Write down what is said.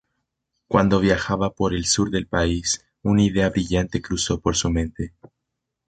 Cuando viajaba por el sur del país una idea brillante cruzó por su mente.